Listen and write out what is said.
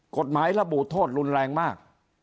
กฎหมายระบุโทษรุนแรงมาก